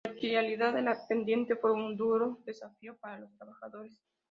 La verticalidad de la pendiente fue un duro desafío para los trabajadores.